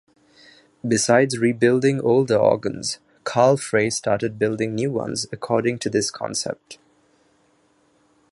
Besides rebuilding older organs, Carl Frei started building new ones according to this concept.